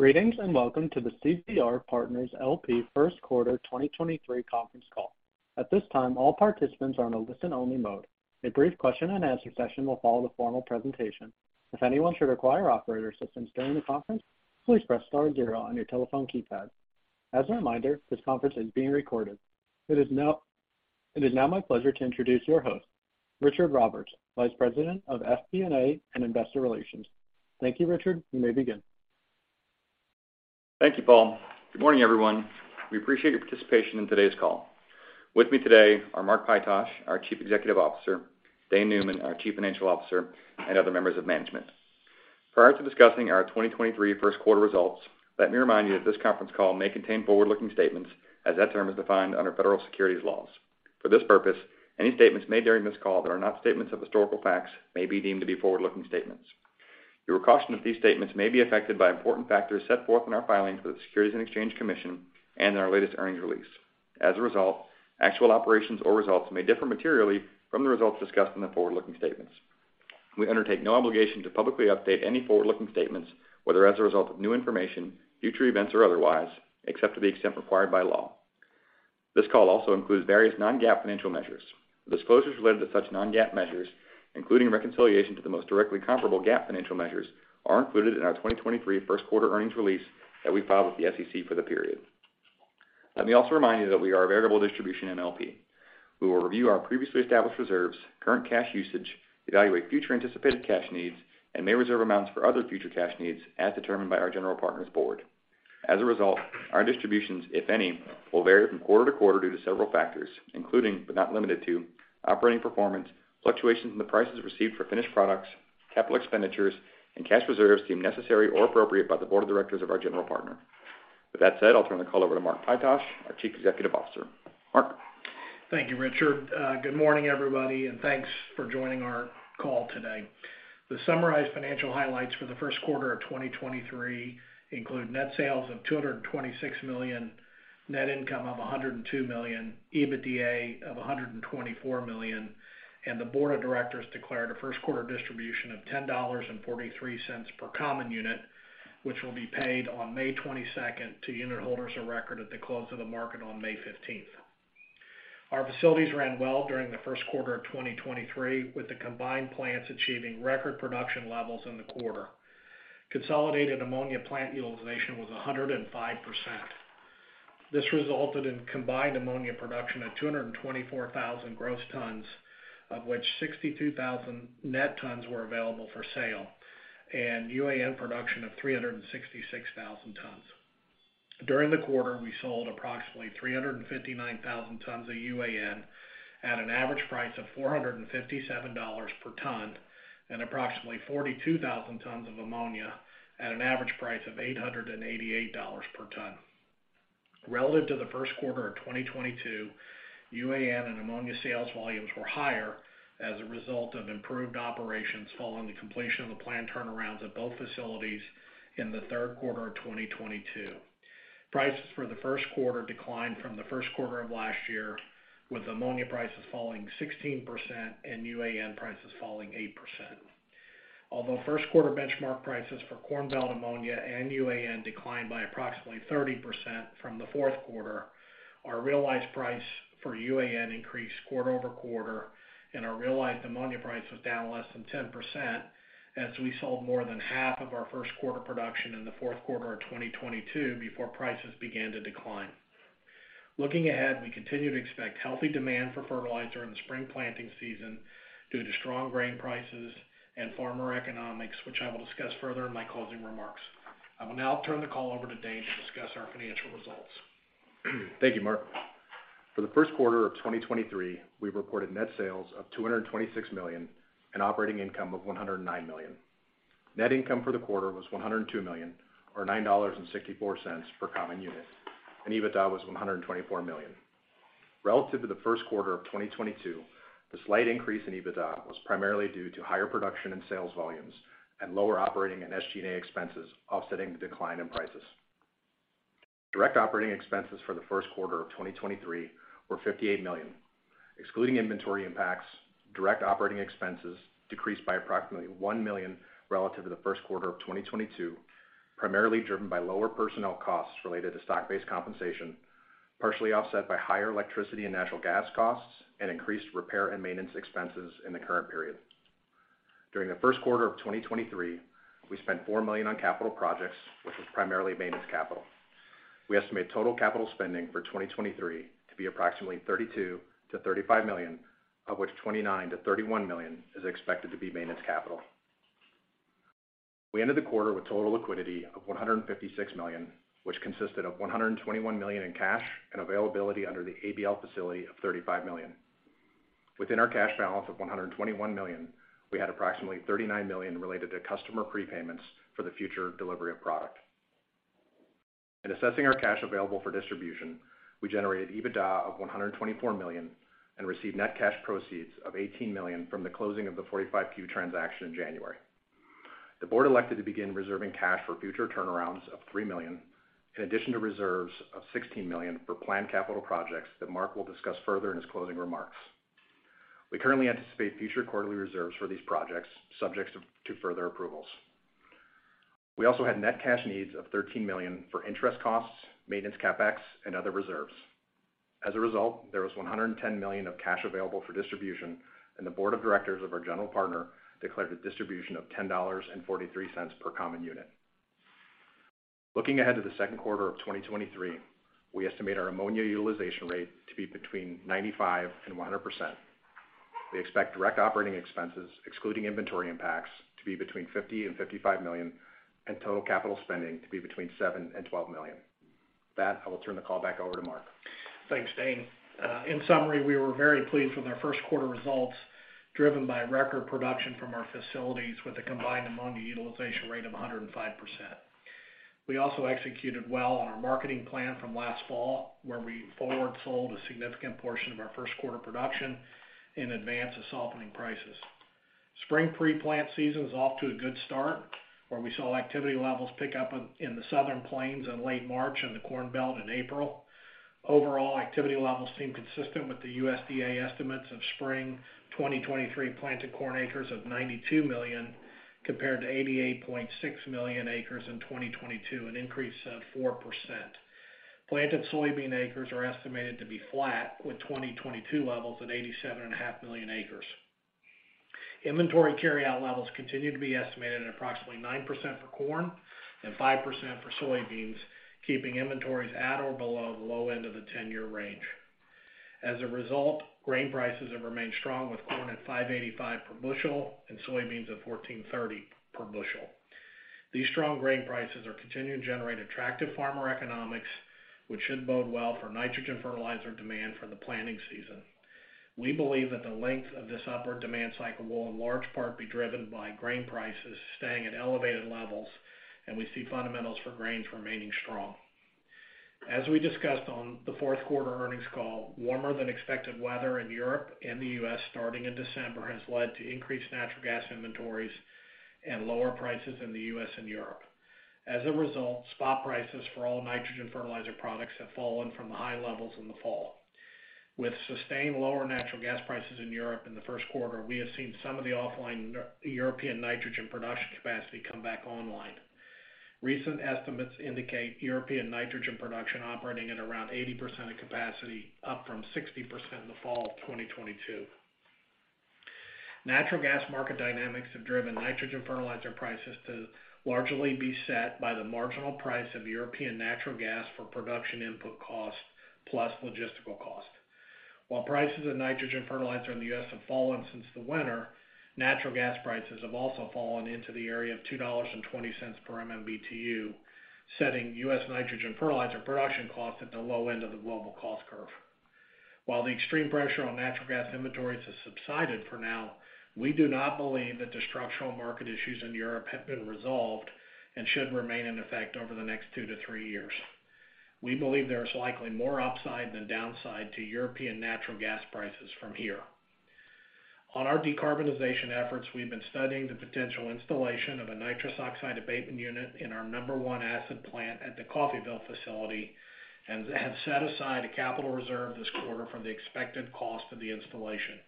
Greetings, and welcome to the CVR Partners LP First Quarter 2023 Conference Call. At this time, all participants are on a listen-only mode. A brief Q&A session will follow the formal presentation. If anyone should require operator assistance during the conference, please press star zero on your telephone keypad. As a reminder, this conference is being recorded. It is now my pleasure to introduce your host, Richard Roberts, Vice President of FP&A and Investor Relations. Thank you, Richard. You may begin. Thank you, Paul. Good morning, everyone. We appreciate your participation in today's call. With me today are Mark Pytosh, our Chief Executive Officer, Dane Neumann, our Chief Financial Officer, and other members of management. Prior to discussing our 2023 1st quarter results, let me remind you that this conference call may contain forward-looking statements as that term is defined under federal securities laws. For this purpose, any statements made during this call that are not statements of historical facts may be deemed to be forward-looking statements. You're cautioned that these statements may be affected by important factors set forth in our filing for the Securities and Exchange Commission and in our latest earnings release. As a result, actual operations or results may differ materially from the results discussed in the forward-looking statements. We undertake no obligation to publicly update any forward-looking statements, whether as a result of new information, future events or otherwise, except to the extent required by law. This call also includes various non-GAAP financial measures. Disclosures related to such non-GAAP measures, including reconciliation to the most directly comparable GAAP financial measures, are included in our 2023 first quarter earnings release that we filed with the SEC for the period. Let me also remind you that we are a variable distribution MLP. We will review our previously established reserves, current cash usage, evaluate future anticipated cash needs, and may reserve amounts for other future cash needs as determined by our general partner's board. As a result, our distributions, if any, will vary from quarter to quarter due to several factors, including, but not limited to, operating performance, fluctuations in the prices received for finished products, capital expenditures, and cash reserves deemed necessary or appropriate by the board of directors of our general partner. With that said, I'll turn the call over to Mark Pytosh, our Chief Executive Officer. Mark? Thank you, Richard. Good morning, everybody, and thanks for joining our call today. The summarized financial highlights for the first quarter of 2023 include net sales of $226 million, net income of $102 million, EBITDA of $124 million, and the board of directors declared a first quarter distribution of $10.43 per common unit, which will be paid on May 22nd to unitholders of record at the close of the market on May 15th. Our facilities ran well during the first quarter of 2023, with the combined plants achieving record production levels in the quarter. Consolidated ammonia plant utilization was 105%. This resulted in combined ammonia production at 224,000 gross tons, of which 62,000 net tons were available for sale, and UAN production of 366,000 tons. During the quarter, we sold approximately 359,000 tons of UAN at an average price of $457 per ton and approximately 42,000 tons of ammonia at an average price of $888 per ton. Relative to the first quarter of 2022, UAN and ammonia sales volumes were higher as a result of improved operations following the completion of the plant turnarounds at both facilities in the third quarter of 2022. Prices for the first quarter declined from the first quarter of last year, with ammonia prices falling 16% and UAN prices falling 8%. Although first quarter benchmark prices for Corn Belt ammonia and UAN declined by approximately 30% from the fourth quarter, our realized price for UAN increased QoQ and our realized ammonia price was down less than 10% as we sold more than half of our first quarter production in the fourth quarter of 2022 before prices began to decline. Looking ahead, we continue to expect healthy demand for fertilizer in the spring planting season due to strong grain prices and farmer economics, which I will discuss further in my closing remarks. I will now turn the call over to Dane to discuss our financial results. Thank you, Mark. For the first quarter of 2023, we reported net sales of $226 million and operating income of $109 million. Net income for the quarter was $102 million or $9.64 per common unit, and EBITDA was $124 million. Relative to the first quarter of 2022, the slight increase in EBITDA was primarily due to higher production in sales volumes and lower operating and SG&A expenses offsetting the decline in prices. Direct operating expenses for the first quarter of 2023 were $58 million. Excluding inventory impacts, direct operating expenses decreased by approximately $1 million relative to the first quarter of 2022, primarily driven by lower personnel costs related to stock-based compensation, partially offset by higher electricity and natural gas costs and increased repair and maintenance expenses in the current period. During the first quarter of 2023, we spent $4 million on capital projects, which was primarily maintenance capital. We estimate total capital spending for 2023 to be approximately $32 million-$35 million, of which $29 million-$31 million is expected to be maintenance capital. We ended the quarter with total liquidity of $156 million, which consisted of $121 million in cash and availability under the ABL facility of $35 million. Within our cash balance of $121 million, we had approximately $39 million related to customer prepayments for the future delivery of product. In assessing our cash available for distribution, we generated EBITDA of $124 million and received net cash proceeds of $18 million from the closing of the 45Q transaction in January. The board elected to begin reserving cash for future turnarounds of $3 million, in addition to reserves of $16 million for planned capital projects that Mark will discuss further in his closing remarks. We currently anticipate future quarterly reserves for these projects, subject to further approvals. We also had net cash needs of $13 million for interest costs, maintenance CapEx, other reserves. A result, there was $110 million of cash available for distribution, and the board of directors of our general partner declared a distribution of $10.43 per common unit. Looking ahead to the second quarter of 2023, we estimate our ammonia utilization rate to be between 95%-100%. We expect direct operating expenses, excluding inventory impacts, to be between $50 million-$55 million, and total capital spending to be between $7 million-$12 million. With that, I will turn the call back over to Mark. Thanks, Dane. In summary, we were very pleased with our first quarter results, driven by record production from our facilities with a combined ammonia utilization rate of 105%. We also executed well on our marketing plan from last fall, where we forward sold a significant portion of our first quarter production in advance of softening prices. Spring pre-plant season is off to a good start, where we saw activity levels pick up in the Southern Plains in late March in the Corn Belt in April. Overall, activity levels seem consistent with the USDA estimates of spring 2023 planted corn acres of 92 million, compared to 88.6 million acres in 2022, an increase of 4%. Planted soybean acres are estimated to be flat with 2022 levels at 87.5 million acres. Inventory carry-out levels continue to be estimated at approximately 9% for corn and 5% for soybeans, keeping inventories at or below the low end of the 10-year range. As a result, grain prices have remained strong, with corn at $5.85 per bushel and soybeans at $14.30 per bushel. These strong grain prices are continuing to generate attractive farmer economics, which should bode well for nitrogen fertilizer demand for the planting season. We believe that the length of this upward demand cycle will in large part be driven by grain prices staying at elevated levels, and we see fundamentals for grains remaining strong. As we discussed on the fourth quarter earnings call, warmer than expected weather in Europe and the U.S. starting in December has led to increased natural gas inventories and lower prices in the U.S. and Europe. As a result, spot prices for all nitrogen fertilizer products have fallen from the high levels in the fall. With sustained lower natural gas prices in Europe in the first quarter, we have seen some of the offline European nitrogen production capacity come back online. Recent estimates indicate European nitrogen production operating at around 80% of capacity, up from 60% in the fall of 2022. Natural gas market dynamics have driven nitrogen fertilizer prices to largely be set by the marginal price of European natural gas for production input cost plus logistical cost. While prices of nitrogen fertilizer in the US have fallen since the winter, natural gas prices have also fallen into the area of $2.20 per MMBtu, setting US nitrogen fertilizer production costs at the low end of the global cost curve. While the extreme pressure on natural gas inventories has subsided for now, we do not believe that the structural market issues in Europe have been resolved and should remain in effect over the next two to three years. We believe there is likely more upside than downside to European natural gas prices from here. On our decarbonization efforts, we've been studying the potential installation of a nitrous oxide abatement unit in our number one acid plant at the Coffeyville facility and have set aside a capital reserve this quarter for the expected cost of the installation.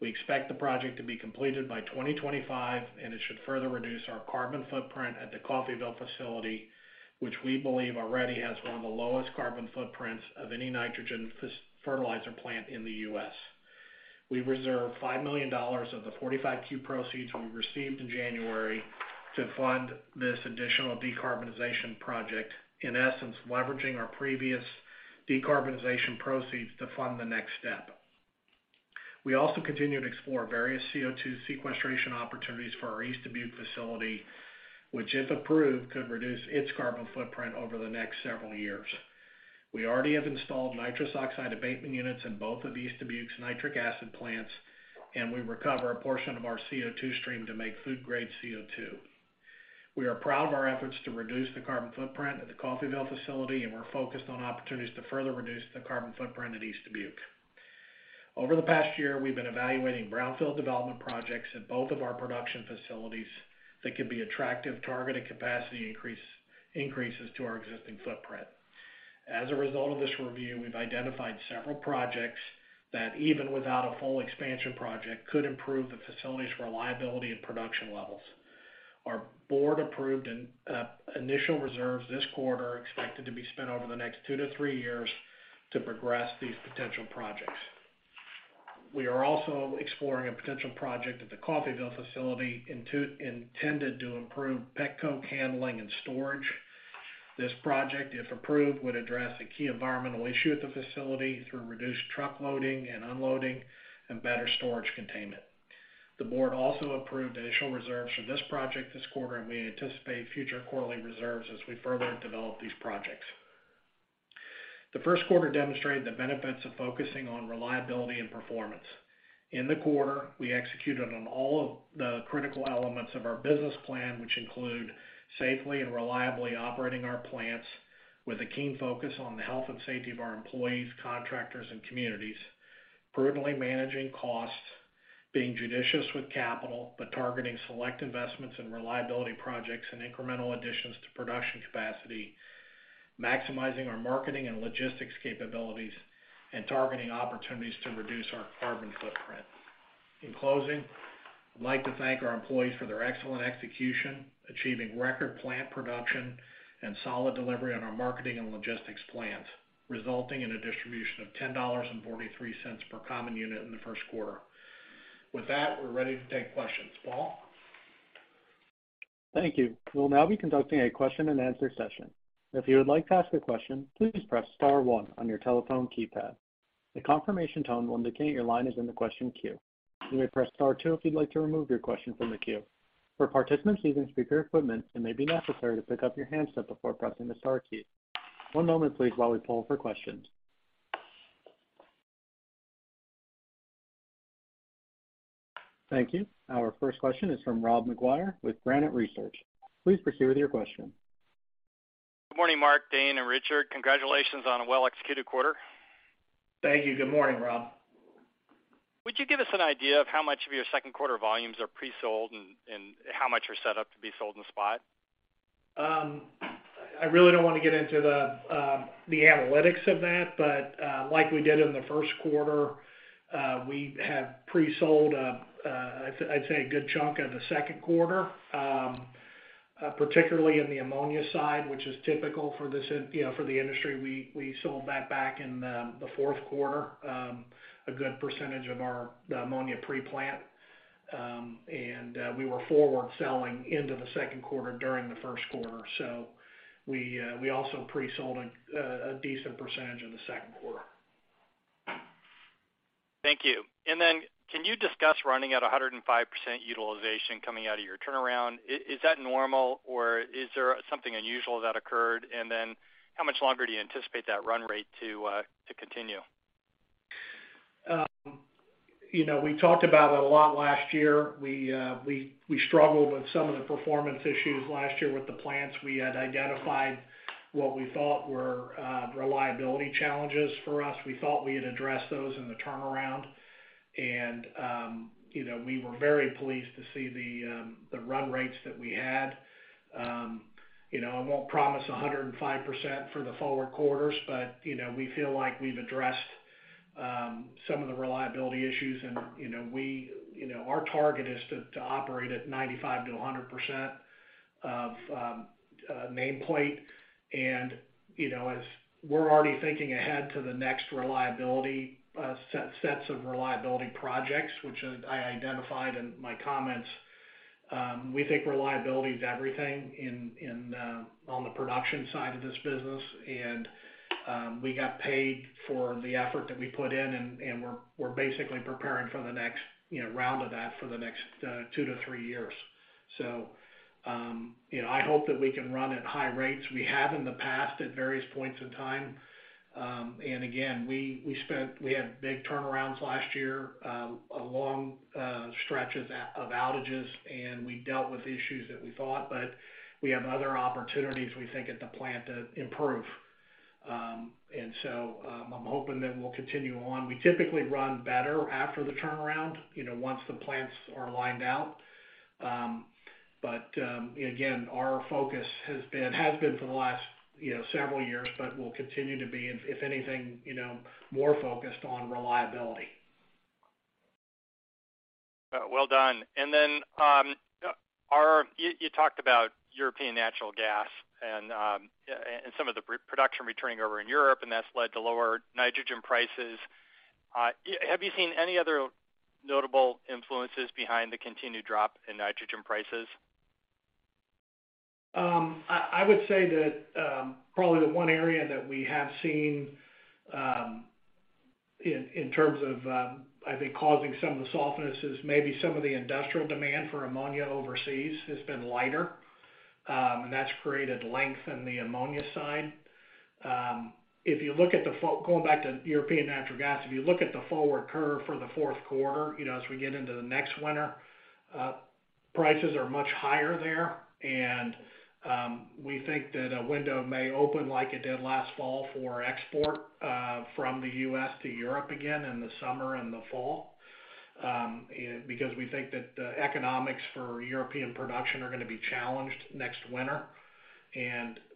We expect the project to be completed by 2025, and it should further reduce our carbon footprint at the Coffeyville facility, which we believe already has one of the lowest carbon footprints of any nitrogen fertilizer plant in the U.S. We reserved $5 million of the 45Q proceeds we received in January to fund this additional decarbonization project, in essence, leveraging our previous decarbonization proceeds to fund the next step. We also continue to explore various CO2 sequestration opportunities for our East Dubuque facility, which, if approved, could reduce its carbon footprint over the next several years. We already have installed nitrous oxide abatement units in both of East Dubuque's nitric acid plants. We recover a portion of our CO2 stream to make food-grade CO2. We are proud of our efforts to reduce the carbon footprint at the Coffeyville facility. We're focused on opportunities to further reduce the carbon footprint at East Dubuque. Over the past year, we've been evaluating brownfield development projects at both of our production facilities that could be attractive targeted capacity increases to our existing footprint. As a result of this review, we've identified several projects that, even without a full expansion project, could improve the facility's reliability and production levels. Our board approved an initial reserves this quarter expected to be spent over the next two-three years to progress these potential projects. We are also exploring a potential project at the Coffeyville facility intended to improve pet coke handling and storage. This project, if approved, would address a key environmental issue at the facility through reduced truck loading and unloading and better storage containment. The board also approved initial reserves for this project this quarter, and we anticipate future quarterly reserves as we further develop these projects. The first quarter demonstrated the benefits of focusing on reliability and performance. In the quarter, we executed on all of the critical elements of our business plan, which include safely and reliably operating our plants with a keen focus on the health and safety of our employees, contractors, and communities, prudently managing costs being judicious with capital, but targeting select investments in reliability projects and incremental additions to production capacity, maximizing our marketing and logistics capabilities, and targeting opportunities to reduce our carbon footprint. In closing, I'd like to thank our employees for their excellent execution, achieving record plant production and solid delivery on our marketing and logistics plans, resulting in a distribution of $10.43 per common unit in the first quarter. With that, we're ready to take questions. Paul? Thank you. We'll now be conducting a Q&A session. If you would like to ask a question, please press star one on your telephone keypad. The confirmation tone will indicate your line is in the question queue. You may press star two if you'd like to remove your question from the queue. For participants using speaker equipment, it may be necessary to pick up your handset before pressing the star key. One moment please while we poll for questions. Thank you. Our first question is from Rob McGuire with Granite Research. Please proceed with your question. Good morning, Mark, Dane, and Richard. Congratulations on a well-executed quarter. Thank you. Good morning, Rob. Would you give us an idea of how much of your second quarter volumes are pre-sold and how much are set up to be sold in spot? I really don't want to get into the analytics of that. Like we did in the first quarter, we have pre-sold I'd say a good chunk of the second quarter, particularly in the ammonia side, which is typical for this you know, for the industry. We sold that back in the fourth quarter, a good percentage of the ammonia pre-plant. We were forward selling into the second quarter during the first quarter. We also pre-sold a decent percentage in the second quarter. Thank you. Can you discuss running at 105% utilization coming out of your turnaround? Is that normal or is there something unusual that occurred? How much longer do you anticipate that run rate to continue? You know, we talked about it a lot last year. We struggled with some of the performance issues last year with the plants. We had identified what we thought were reliability challenges for us. We thought we had addressed those in the turnaround. You know, we were very pleased to see the run rates that we had. You know, I won't promise 105% for the forward quarters, but, you know, we feel like we've addressed some of the reliability issues. You know, our target is to operate at 95%-100% of nameplate. You know, as we're already thinking ahead to the next reliability, sets of reliability projects, which I identified in my comments, we think reliability is everything in on the production side of this business. We got paid for the effort that we put in, and we're basically preparing for the next, you know, round of that for the next two to three years. You know, I hope that we can run at high rates. We have in the past at various points in time. Again, we had big turnarounds last year, a long stretch of outages, and we dealt with the issues that we thought, but we have other opportunities, we think, at the plant to improve. So, I'm hoping that we'll continue on. We typically run better after the turnaround, you know, once the plants are lined out. Again, our focus has been for the last, you know, several years, but will continue to be, if anything, you know, more focused on reliability. Well done. you talked about European natural gas and some of the production returning over in Europe, and that's led to lower nitrogen prices. Have you seen any other notable influences behind the continued drop in nitrogen prices? I would say that, probably the one area that we have seen, in terms of, I think causing some of the softness is maybe some of the industrial demand for ammonia overseas has been lighter, and that's created length in the ammonia side. If you look at the going back to European natural gas, if you look at the forward curve for the fourth quarter, you know, as we get into the next winter, prices are much higher there. We think that a window may open like it did last fall for export, from the US to Europe again in the summer and the fall, because we think that the economics for European production are gonna be challenged next winter.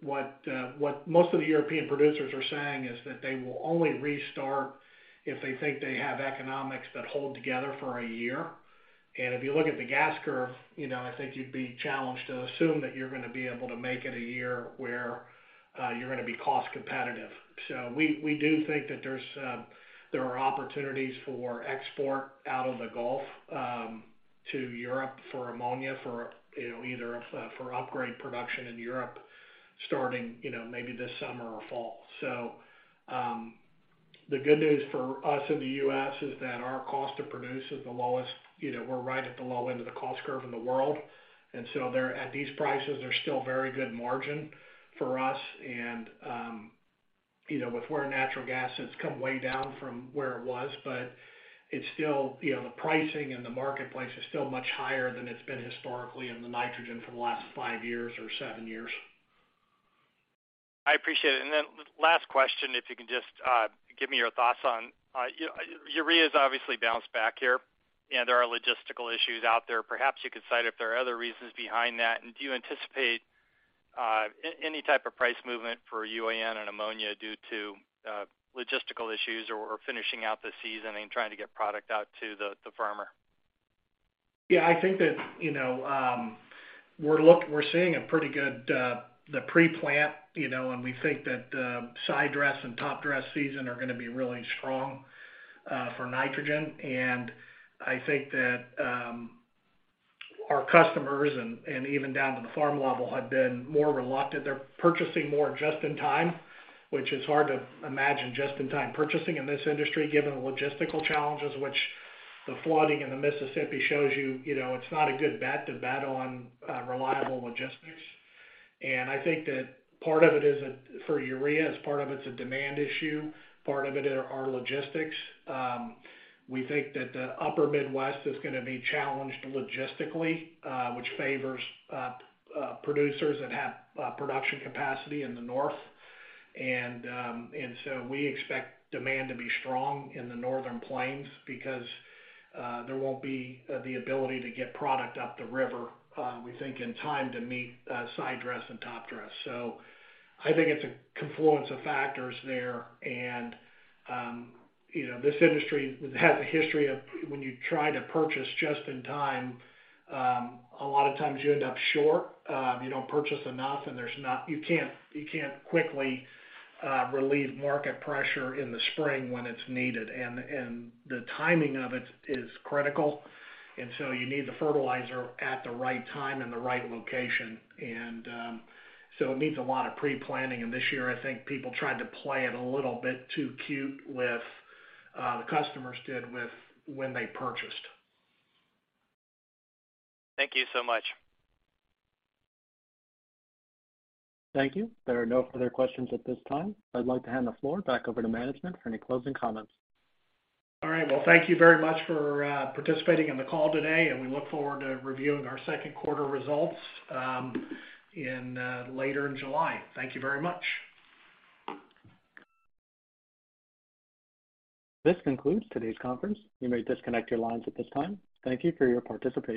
What most of the European producers are saying is that they will only restart if they think they have economics that hold together for a year. If you look at the gas curve, you know, I think you'd be challenged to assume that you're gonna be able to make it a year where you're gonna be cost competitive. We, we do think that there's, there are opportunities for export out of the Gulf to Europe for ammonia for, you know, either for upgrade production in Europe starting, you know, maybe this summer or fall. The good news for us in the U.S. is that our cost to produce is the lowest. You know, we're right at the low end of the cost curve in the world. There at these prices, there's still very good margin for us. You know, with where natural gas has come way down from where it was, but it's still, you know, the pricing and the marketplace is still much higher than it's been historically in the nitrogen for the last five years or seven years. I appreciate it. Then last question, if you can just give me your thoughts on, urea has obviously bounced back here, and there are logistical issues out there. Perhaps you could cite if there are other reasons behind that, and do you anticipate any type of price movement for UAN and ammonia due to logistical issues or finishing out the season and trying to get product out to the farmer? Yeah, I think that, you know, we're seeing a pretty good, the pre-plant, you know, we think that sidedress and topdress season are gonna be really strong for nitrogen. I think that our customers and even down to the farm level have been more reluctant. They're purchasing more just in time, which is hard to imagine just in time purchasing in this industry, given the logistical challenges which the flooding in the Mississippi shows you know, it's not a good bet to bet on reliable logistics. I think that part of it, for urea, is a demand issue. Part of it are logistics. We think that the upper Midwest is gonna be challenged logistically, which favors producers that have production capacity in the north. We expect demand to be strong in the northern plains because there won't be the ability to get product up the river, we think in time to meet sidedress and topdress. I think it's a confluence of factors there and, you know, this industry has a history of when you try to purchase just in time, a lot of times you end up short. You don't purchase enough, and there's not, you can't quickly relieve market pressure in the spring when it's needed. The timing of it is critical, you need the fertilizer at the right time in the right location. It needs a lot of pre-planning, and this year I think people tried to play it a little bit too cute with, the customers did with when they purchased. Thank you so much. Thank you. There are no further questions at this time. I'd like to hand the floor back over to management for any closing comments. All right. Well, thank you very much for participating in the call today. We look forward to reviewing our second quarter results in later in July. Thank you very much. This concludes today's conference. You may disconnect your lines at this time. Thank you for your participation.